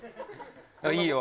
いいよ。